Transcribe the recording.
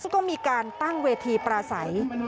ซึ่งก็มีการตั้งเวทีปราศัย